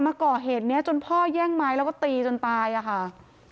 มาก่อเหตุนี้จนพ่อแย่งไม้แล้วก็ตีจนตายอะค่ะ